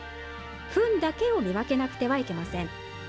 ふんだけを見分けなくてはいけません。